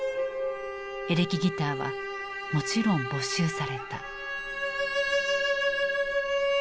エレキギターはもちろん没収された。